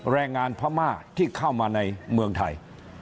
แรงงานพม่าที่เข้ามาในเมืองไทย